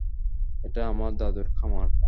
এটা আমার দাদুর খামার।